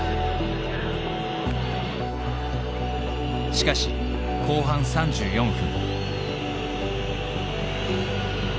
しかし後半３４分。